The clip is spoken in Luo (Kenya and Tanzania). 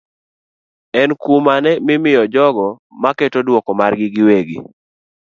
En kum mane ma imiyo jogo maketo duoko margi giwegi.